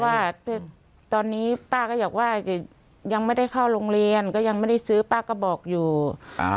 ว่าตอนนี้ป้าก็อยากว่ายังไม่ได้เข้าโรงเรียนก็ยังไม่ได้ซื้อป้าก็บอกอยู่อ่า